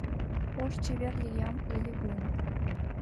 Ош чевер лиям ыле гын